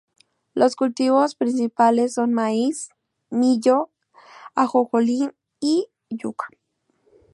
Los cultivos principales son maíz, millo, ajonjolí y yuca.